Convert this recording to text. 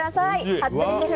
服部シェフ